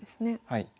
はい。